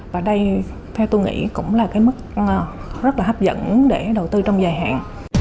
và đây theo tôi nghĩ cũng là cái mức rất là hấp dẫn để đầu tư trong dài hạn